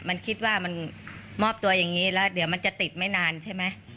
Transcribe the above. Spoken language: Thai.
มันคิดว่ามันมอบตัวอย่างนี้แล้วเดี๋ยวมันจะติดไม่นานใช่ไหม